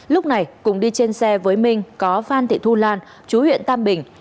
lúc này cùng đi trên xe với minh có phan thị thu lan chú huyện tam bình